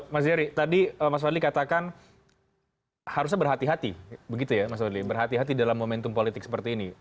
mas jerry tadi mas wadli katakan harusnya berhati hati begitu ya mas wadli berhati hati dalam momentum politik seperti ini